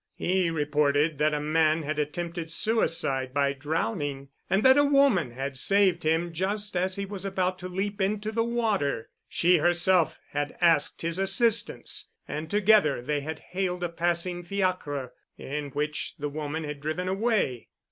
He reported that a man had attempted suicide by drowning and that a woman had saved him just as he was about to leap into the water. She herself had asked his assistance and together they had hailed a passing fiacre in which the woman had driven away.